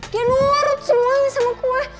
dia nurut semuanya sama gue